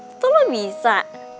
itu mah bisa